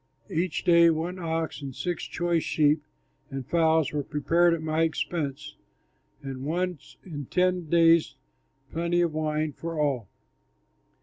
Each day one ox and six choice sheep and fowls were prepared at my expense, and once in ten days plenty of wine for all.